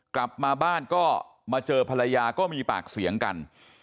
กลับมาบ้านก็มาเจอภรรยาก็มีปากเสียงกัน